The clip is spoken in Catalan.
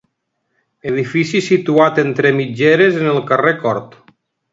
Edifici situat entre mitgeres en el carrer Cort.